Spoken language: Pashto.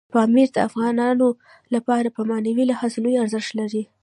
پامیر د افغانانو لپاره په معنوي لحاظ لوی ارزښت لري.